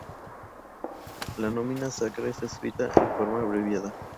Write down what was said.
La nomina sacra está escrita en forma abreviada.